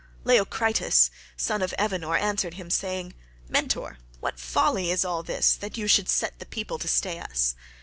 Leiocritus, son of Evenor, answered him saying, "Mentor, what folly is all this, that you should set the people to stay us?